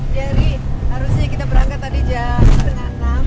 jadi harusnya kita berangkat tadi jam enam tiga puluh